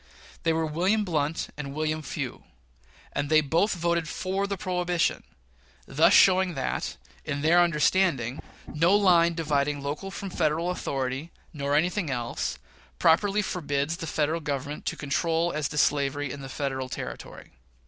They were William Blount and William Few; and they both voted for the prohibition thus showing that, in their understanding, no line dividing local from Federal authority, nor anything else, properly forbade the Federal Government to control as to slavery in Federal territory.